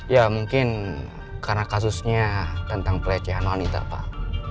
ya mungkin karena kasusnya tentang pelecehan wanita pak